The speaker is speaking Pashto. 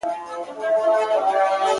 په پوهنتون کې هم یو ملګري